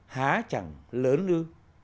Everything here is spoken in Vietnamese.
há chẳng lớn ư